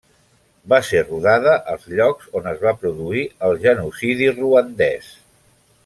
Va ser rodada als llocs on es va produir el genocidi ruandès.